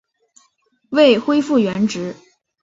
未恢复原职